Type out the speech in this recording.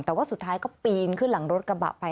แต่ว่าสุดท้ายก็ปีนขึ้นหลังรถกระบะไป